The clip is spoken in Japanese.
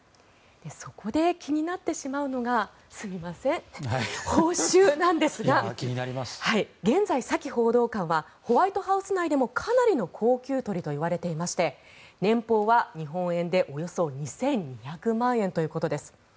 そこで気になってしまうのがすみません、報酬なんですが現在、サキ報道官はホワイトハウス内でもかなりの高給取りといわれていまして年俸は日本円でおよそ２２００万円ということです。